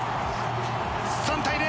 ３対０。